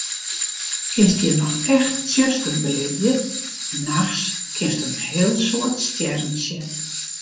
Kinst hjir noch echt tsjuster belibje en nachts kinst in heel soad stjerren sjen.